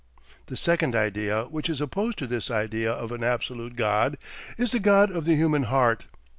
The second idea, which is opposed to this idea of an absolute God, is the God of the human heart.